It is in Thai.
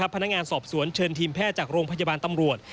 พนักงานสอบสวนเชิญทีมแพทย์จากโรงพยาบาลตำรวจ